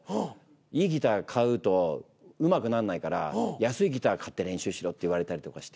「いいギター買うとうまくなんないから安いギター買って練習しろ」って言われたりとかして。